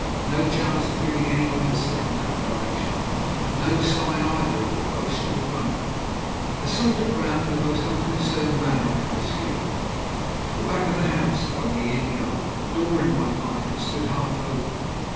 No chance of giving any one the slip in that direction; and no sign, either, of the Bow Street runner. I sauntered round, with the most unconcerned manner I could assume, to the back of the house, by the inn yard. A door in one part of it stood half open.